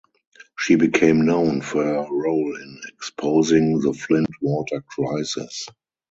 She became known for her role in exposing the Flint water crisis.